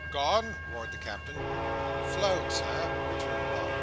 "Gone!" roared the Captain. "Flowed, Sir," returned Rob.